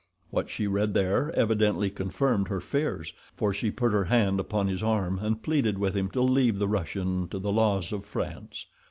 What she read there evidently confirmed her fears, for she put her hand upon his arm, and pleaded with him to leave the Russian to the laws of France.